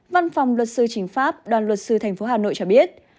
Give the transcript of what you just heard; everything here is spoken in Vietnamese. văn phòng luật sư chính pháp đoàn luật sư thành phố hà nội cho biết